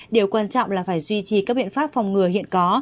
điều quan trọng là phải duy trì các biện pháp phòng ngừa hiện có